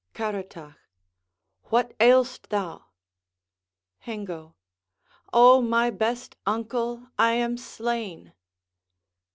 Caratach What ail'st thou? Hengo Oh, my best uncle, I am slain!